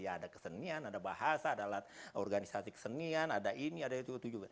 ada kesenian ada bahasa ada organisasi kesenian ada ini ada itu juga